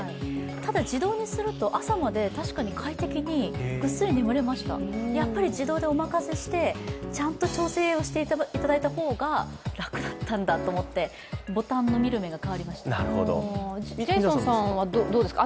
ただ、自動にすると朝まで確かに快適にぐっすり眠れました、自動でお任せしてちゃんと調整をしていただいた方が楽だったんだと思って、ボタンの見る目が分かりました。